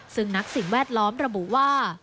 ซึ่งนักสิ่งแวดล้อมระบุว่า